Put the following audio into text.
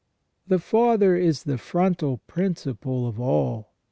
The Father is the fontal principle of all.